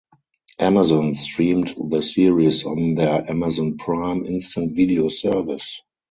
Amazon streamed the series on their Amazon Prime Instant Video service.